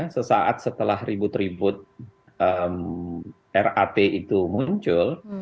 sesaat setelah ribut ribut rat itu muncul